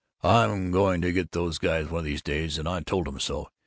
I'm going to get those guys, one of these days, and I told 'em so.